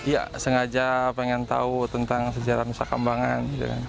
ya sengaja pengen tahu tentang sejarah nusa kambangan